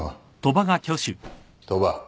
鳥羽。